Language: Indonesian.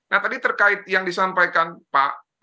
nah tadi terkait yang disampaikan pak